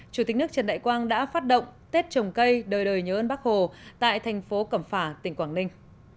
chủ tịch nước trần đại quang đã phát động tết trồng cây đời đời nhớ ơn bác hồ tại thành phố cẩm phả tỉnh quảng ninh